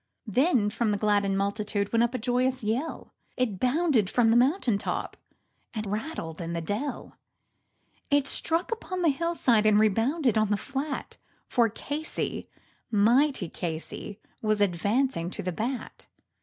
Then from the gladdened multitude went up a joyous yell, It bounded from the mountain top and rattled in the dell, It struck upon the hillside, and rebounded on the flat, For Casey, mighty Casey, was advancing to the bat.